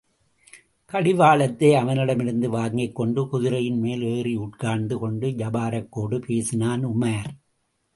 கடிவாளத்தை அவனிடமிருந்து வாங்கிக் கொண்டு, குதிரையின் மேல் ஏறியுட்கார்ந்து கொண்டு ஜபாரக்கோடு பேசினான் உமார்.